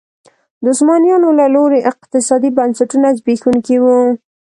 د عثمانیانو له لوري اقتصادي بنسټونه زبېښونکي وو.